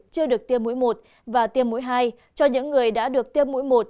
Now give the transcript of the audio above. chưa được tiêm mũi một và tiêm mũi hai cho những người đã được tiêm mũi một